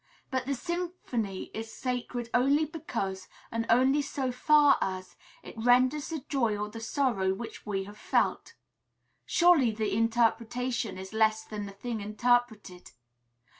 But the symphony is sacred only because, and only so far as, it renders the joy or the sorrow which we have felt. Surely, the interpretation is less than the thing interpreted.